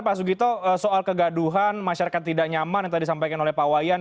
pak sugito soal kegaduhan masyarakat tidak nyaman yang tadi disampaikan oleh pak wayan